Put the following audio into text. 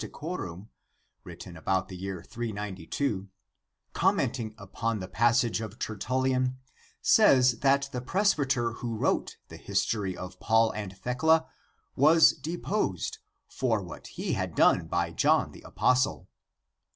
c:7 (written about the year 392), commenting upon the passage of Tertullian, says that the presbyter who wrote the history of Paul and Thecla was deposed for what he had done by John {apud Johannem) the Apostle.